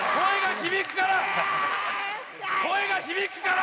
声が響くから！